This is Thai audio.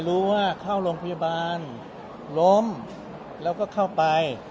รู้ว่าเข้าโรงพยาบาลล้มแล้วก็เข้าไป